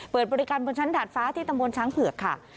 เปิดบริการบนชั้นดาดฟ้าที่ตำบลช้างเผือกค่ะ